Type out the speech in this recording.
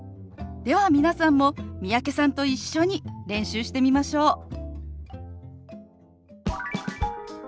では皆さんも三宅さんと一緒に練習してみましょう！